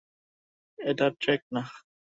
এটা ট্র্যাক না!